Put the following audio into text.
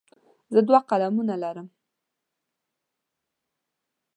زه دوه قلمونه لرم.